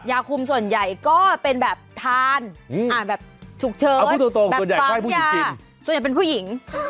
ยาคุมส่วนใหญ่ก็เป็นแบบทานอ่านแบบฉุกเฉินแบบยาส่วนใหญ่เป็นผู้หญิง